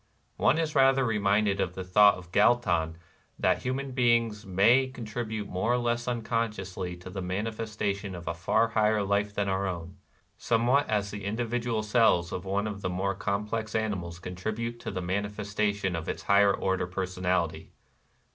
One is rather reminded of the thought of Galton that human beings " may contribute more or less unconsciously to the manifestation of a far higher life than our own, — somewhat as the indi vidual cells of one of the more complex animals contribute to the manifestation of its higher order of personality."